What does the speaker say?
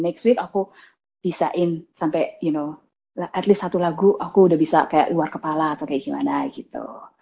next week aku bisa in sampai you know at least satu lagu aku udah bisa kayak luar kepala atau kayak gimana gitu